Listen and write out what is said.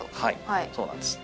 はいそうなんです。